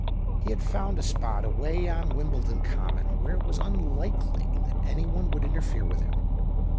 He had found a spot away on Wimble don Common, where it was unlikely that any one would interfere with him.